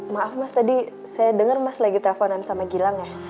maaf mas tadi saya dengar mas lagi telponan sama gilang ya